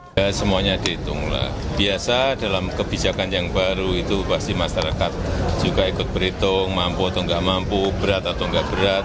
ya semuanya dihitung lah biasa dalam kebijakan yang baru itu pasti masyarakat juga ikut berhitung mampu atau nggak mampu berat atau enggak berat